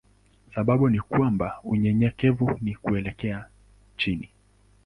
Sababu ni kwamba unyenyekevu ni kuelekea chini.